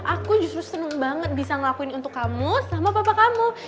aku justru senang banget bisa ngelakuin untuk kamu sama papa kamu